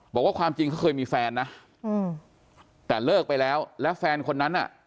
ความจริงเขาเคยมีแฟนนะแต่เลิกไปแล้วแล้วแฟนคนนั้นน่ะ